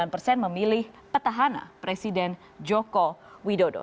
tiga puluh delapan sembilan persen memilih petahana presiden joko widodo